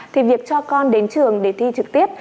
thì việc cho con đến trường để thi trực tiếp